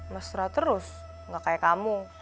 mesra terus nggak kayak kamu